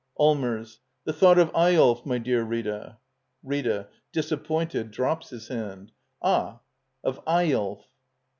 Allmers. The thought of Eyolf, my dear Rita. Rita. [Disappointed, drops his hand.] Ah — of Eyolf!